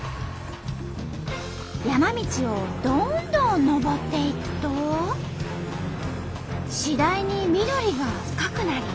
山道をどんどんのぼっていくと次第に緑が深くなり。